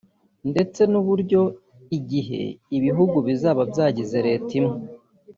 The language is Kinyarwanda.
ndetse n’uburyo igihe ibihugu bizaba byagize Leta imwe